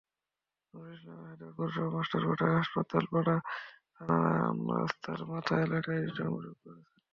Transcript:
নুরুল ইসলাম হায়দার পৌরসভার মাস্টারপাড়া, হাসপাতালপাড়া, থানা রাস্তার মাথা এলাকায় গণসংযোগ করেছেন।